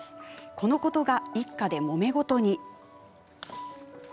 このことが一家で、もめ事に。